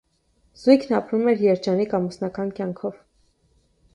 Զույգն ապրում էր երջանիկ ամուսնական կյանքով։